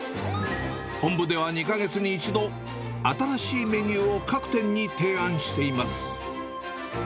本部では２か月に１度、新しいメニューを各店に提案しています。